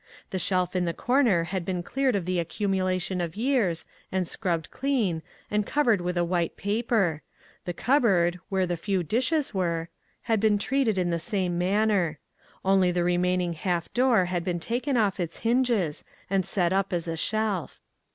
The shelf in the corner had been cleared of the accumulation of years, and scrubbed clean, and covered with a white paper. The cupboard, where the few dishes were, had been treated in the same manner. Only the remaining half door had been taken off its hinges, and set up as a shelf.